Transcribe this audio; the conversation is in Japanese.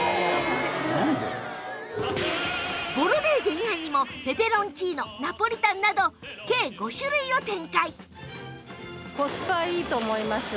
ボロネーゼ以外にもペペロンチーノナポリタンなど計５種類を展開